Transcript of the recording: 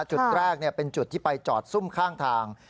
จุดแรกเป็นจุดที่ไปจอดซุ่มข้างทาง